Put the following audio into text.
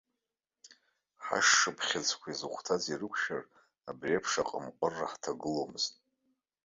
Ҳашшыԥхьыӡқәа изыхәҭаз ирықәшәар, абри еиԥш аҟымҟыра ҳҭагыломызт.